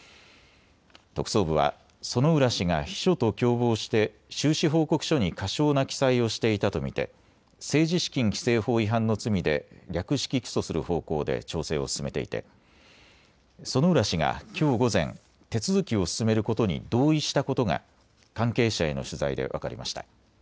特捜部は薗浦氏が秘書と共謀して収支報告書に過少な記載をしていたと見て政治資金規正法違反の罪で略式起訴する方向で調整を進めていて薗浦氏がきょう午前、手続きを進めることに同意したことが関係者への取材で分かりました。